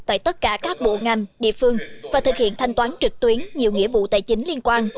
tại tất cả các bộ ngành địa phương và thực hiện thanh toán trực tuyến nhiều nghĩa vụ tài chính liên quan